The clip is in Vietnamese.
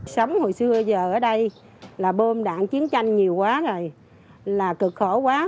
sống hồi xưa giờ ở đây là bom đạn chiến tranh nhiều quá rồi là cực khổ quá